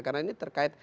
karena ini terkait